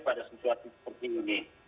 pada situasi seperti ini